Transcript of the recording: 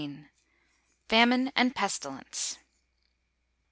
FAMINE AND PESTILENCE.